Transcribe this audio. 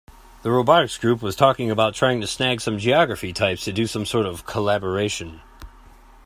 The robotics group was talking about trying to snag some geography types to do some sort of collaboration.